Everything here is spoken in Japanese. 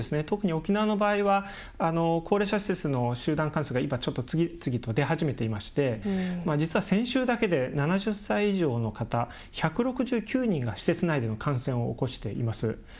特に沖縄の場合は高齢者施設の集団感染が次々と出始めていまして実は先週だけで７０歳以上の方、１６９人が施設内での感染を起こしています。